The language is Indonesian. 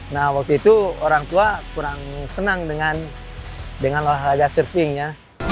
nah waktu itu orang tua kurang senang dengan olahraga surfing ya